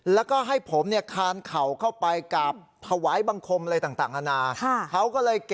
แล้วก็ให้ผมคานเข่าเข้าไปกราบถวายบังคมอะไรต่างนานา